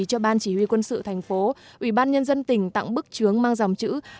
cho ban chỉ huy quân sự thành phố ủy ban nhân dân tỉnh tặng bức chướng mang dòng chữ